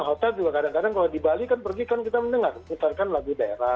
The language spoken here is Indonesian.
hotel juga kadang kadang kalau di bali kan pergi kan kita mendengar mutarkan lagu daerah